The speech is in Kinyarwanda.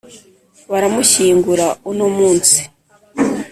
baramushyingura uno munsi